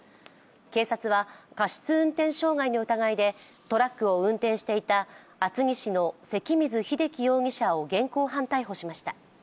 警察は過失運転傷害の疑いでトラックを運転していた厚木市の関水英機容疑者を現行犯逮捕しました。